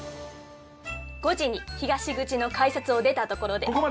５時に東口の改札を出たところで。